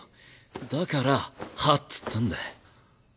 だから「はっ？」っつったんだ。